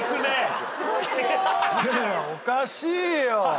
おかしいよ。